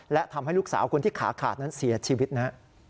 และทำให้ลูกสาวคนที่ขาขาดนั้นเสียชีวิตนะฮะ